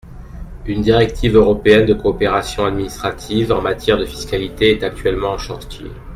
Une directive européenne de coopération administrative en matière de fiscalité est actuellement en chantier.